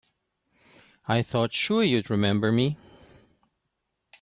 I thought sure you'd remember me.